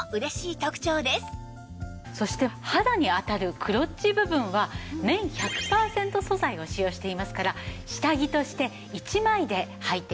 そして肌に当たるクロッチ部分は綿１００パーセント素材を使用していますから下着として一枚ではいて頂けます。